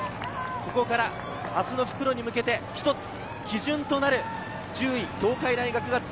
ここから明日の復路に向けて一つ基準となる順位。